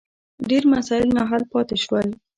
ډېر مسایل نا حل پاتې شول.